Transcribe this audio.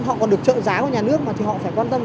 họ còn được trợ giá của nhà nước mà thì họ phải quan tâm